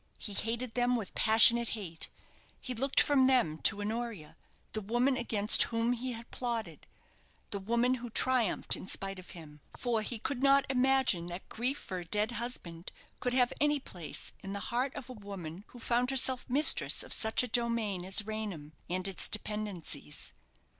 He hated them with passionate hate. He looked from them to Honoria, the woman against whom he had plotted the woman who triumphed in spite of him for he could not imagine that grief for a dead husband could have any place in the heart of a woman who found herself mistress of such a domain as Raynham, and its dependencies.